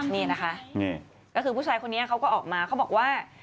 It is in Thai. นี่นะคะก็คือผู้ชายคนนี้เขาก็ออกมาเขาบอกว่า